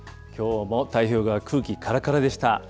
きょうも太平洋側、空気からからでした。